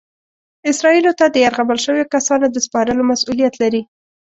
اسرائیلو ته د یرغمل شویو کسانو د سپارلو مسؤلیت لري.